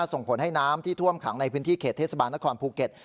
ส่งผลให้น้ำที่ท่วมขังในพื้นที่เขตเทศบาลนครภูเก็ต